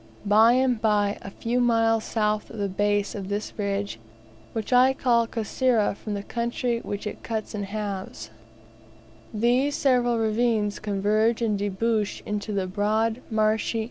By and by, a few miles south of the base of this ridge (which I call Kasera, from the country which it cuts in halves), these several ravines converge and debouch into the broad, [marshy?